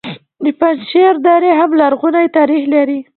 د پنجشیر درې هم لرغونی تاریخ لري